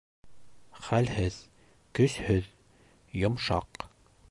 Хәлһеҙ, көсһөҙ, йомшаҡ